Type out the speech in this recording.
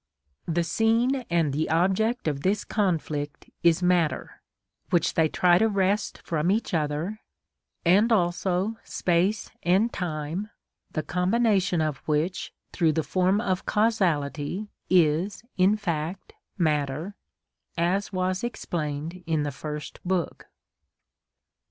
The scene and the object of this conflict is matter, which they try to wrest from each other, and also space and time, the combination of which through the form of causality is, in fact, matter, as was explained in the First Book.